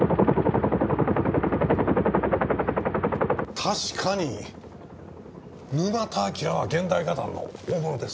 確かに沼田章は現代画壇の大物です。